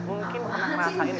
mungkin pernah ngerasain